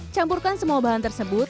campurkan semua bahan tersebut